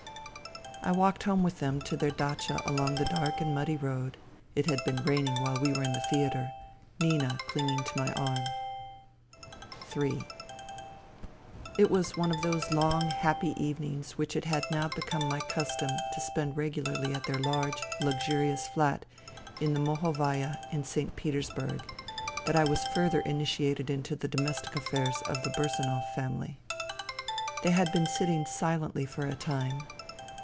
..." I walked home with them to their datcha along the dark and muddy road — it had been raining while we were in the theatre^ — Nina clinging to my arm. Ill It was on one of those long, happy evenings which it had now become my custom to spend regularly at their large, luxurious flat in the Mohovaya in St. Petersburg, that I was further initiated into the domestic affairs of the Bursanov family. They had been sitting silently for a time.